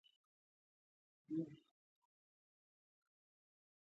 زه کتاب لولم.